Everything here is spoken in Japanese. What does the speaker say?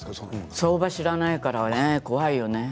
相場を知らないから怖いよね。